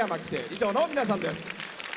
以上の皆さんです。